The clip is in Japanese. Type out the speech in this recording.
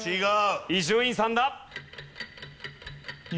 伊集院さんだ。